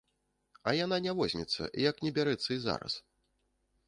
А яна не возьмецца, як не бярэцца і зараз.